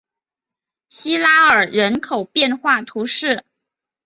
西拉尔人口变化图示